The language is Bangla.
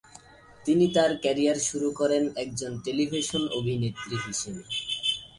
তিনি তার ক্যারিয়ার শুরু করেন একজন টেলিভিশন অভিনেত্রী হিসেবে।